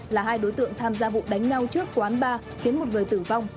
là hai đối tượng tham gia vụ đánh nhau trước quán ba khiến một người tử vong